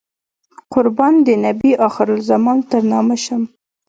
قربان د نبي اخر الزمان تر نامه شم.